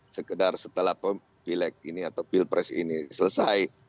sekedar setelah pileg ini atau pilpres ini selesai